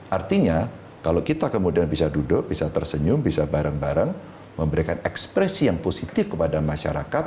artinya kalau kita kemudian bisa duduk bisa tersenyum bisa bareng bareng memberikan ekspresi yang positif kepada masyarakat